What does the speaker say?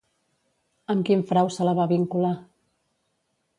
Amb quin frau se la va vincular?